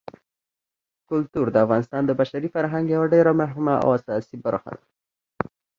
کلتور د افغانستان د بشري فرهنګ یوه ډېره مهمه او اساسي برخه ده.